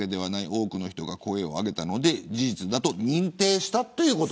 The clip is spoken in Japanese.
多くの人が声を上げたので事実だと認定したということ。